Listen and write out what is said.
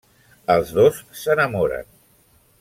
Els dos s'enamoren.